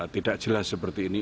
tidak jelas seperti ini